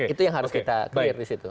itu yang harus kita clear di situ